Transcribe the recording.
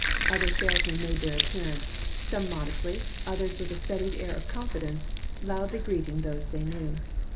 Other salesmen made their appearance, some modestly, others with a studied air of confidence, loudly greeting those they knew.